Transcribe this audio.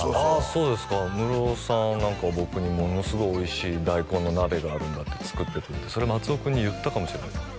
そうですかムロさん何か僕にものすごいおいしい大根の鍋があるんだって作ってくれてそれ松尾くんに言ったかもしれないですね